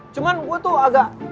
cuman gue tuh agak